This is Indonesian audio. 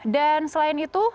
dan selain itu